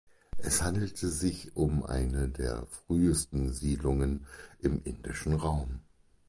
Es handelt sich um eine der frühesten Siedlungen im indischen Raum.